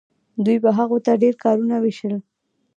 دوی به هغو ته ډیر کارونه ویشل.